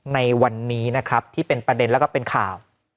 ในวันนี้นะครับที่เป็นประเด็นแล้วก็เป็นข่าว